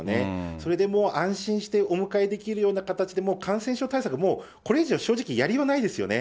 それで安心してお迎えできるような形で、感染症対策、もうこれ以上、正直やりようがないですよね。